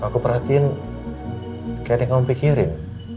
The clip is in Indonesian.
aku perhatiin kayak ada yang kamu pikirin